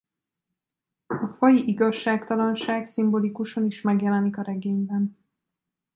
A faji igazságtalanság szimbolikusan is megjelenik a regényben.